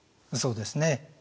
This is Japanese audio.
そうですね。